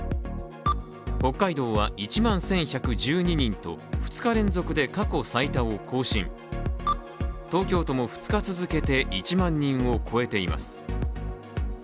北海道は１万１１１２人と２日連続で過去最多を更新東京都も２日続けて１万人を超えています。